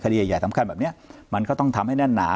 ใหญ่สำคัญแบบนี้มันก็ต้องทำให้แน่นหนา